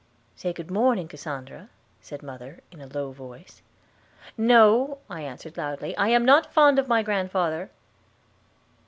"Say good morning, Cassandra," said mother, in a low voice. "No," I answered loudly, "I am not fond of my grandfather."